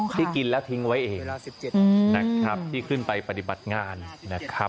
ที่กินแล้วทิ้งไว้เองนะครับที่ขึ้นไปปฏิบัติงานนะครับ